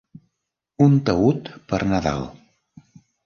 Un taüt per Nadal!